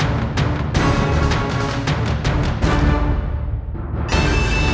apakah itu aya mimpi hasil peradaan kita